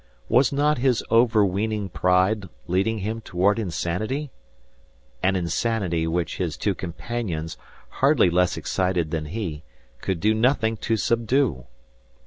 Was not his overweening pride leading him toward insanity? An insanity which his two companions, hardly less excited than he, could do nothing to subdue!